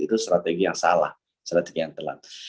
itu strategi yang salah strategi yang telat